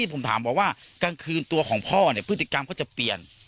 ผมถามบอกว่ากลางคืนตัวของพ่อเนี่ยพฤติกรรมก็จะเปลี่ยน